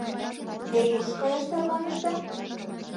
Те куш каяш тарванышда?